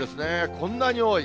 こんなに多い。